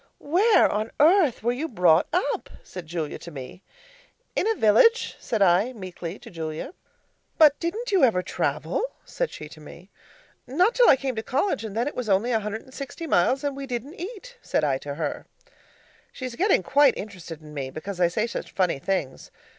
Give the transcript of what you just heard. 'Where on earth were you brought up?' said Julia to me. 'In a village,' said I meekly, to Julia. 'But didn't you ever travel?' said she to me. 'Not till I came to college, and then it was only a hundred and sixty miles and we didn't eat,' said I to her. She's getting quite interested in me, because I say such funny things.